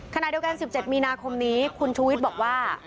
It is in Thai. ขณะเดียวกัน๑๗มีนาคมนี้คุณชูวิทย์บอกว่า